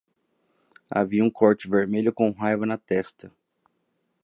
Havia um corte vermelho com raiva na testa.